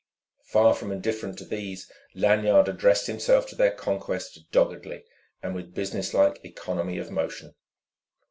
Far from indifferent to these, Lanyard addressed himself to their conquest doggedly and with businesslike economy of motion.